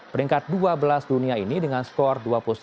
peringkat dua belas dunia ini dengan skor dua puluh satu enam belas